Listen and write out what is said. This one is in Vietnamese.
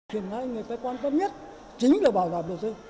hiện nay người ta quan tâm nhất chính là bảo đảm đầu tư